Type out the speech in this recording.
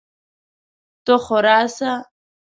ته خو راسه!